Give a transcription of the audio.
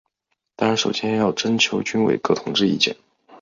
当然首先要征求军委各同志意见。